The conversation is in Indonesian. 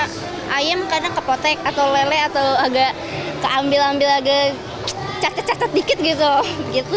mungkin rata rata kayak ayam kadang kepotek atau lele atau agak keambil ambil agak catet catet dikit gitu